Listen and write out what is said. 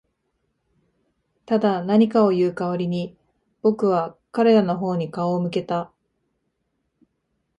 ただ、何かを言う代わりに、僕は彼らの方に顔を向けた。